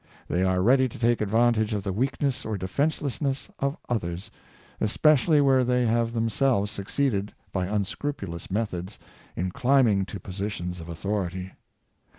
They are ready to take advantage of the weakness or defenselessness of others, especially where they have themselves succeeded, by unscrupulous methods, in climbing to positions of authority.